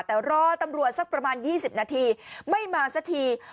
แต่รอตำรวจสักประมาณ๒๐นาทีไม่มาสักที